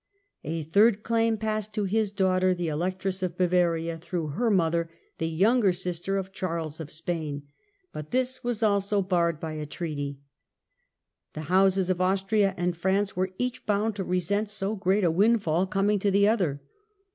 A third claim* passed to his daughter, the Electress of Bavaria, through her mother, the younger sister of Charles of Spain, but this was also barred by a treaty. The houses of Austria and France were each bound to resent so great a windfall coming to the other.